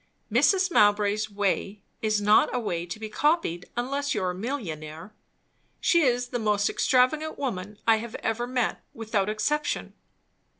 "Mrs. Mowbray's way is not a way to be copied, unless you are a millionaire. She is the most extravagant woman I ever met, without exception."